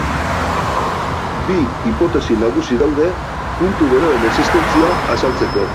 Bi hipotesi nagusi daude puntu beroen existentzia azaltzeko.